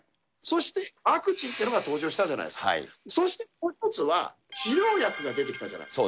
そしてワクチンというのが登場したじゃないですか、そしてもう一つは、治療薬が出てきた。